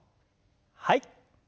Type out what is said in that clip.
はい。